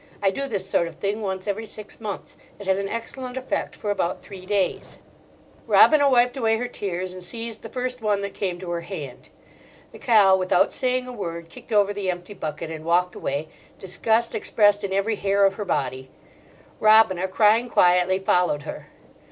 I do this sort of thing once every six months: it has an excellent effect for about three days. Robina wiped away her tears, and seized the first one that came to her hand. The cow, without saying a word, kicked over the empty bucket, and walked away, disgust expressed in every hair of her body. Robina, crying quietly, followed her.